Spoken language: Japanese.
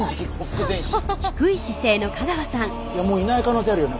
いやもういない可能性あるよね。